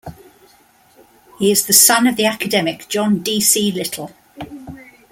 He is the son of the academic John D. C. Little.